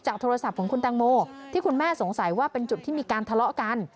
โทรศัพท์ของคุณตังโมที่คุณแม่สงสัยว่าเป็นจุดที่มีการทะเลาะกัน